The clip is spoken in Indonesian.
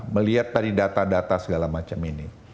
melihat tadi data data segala macam ini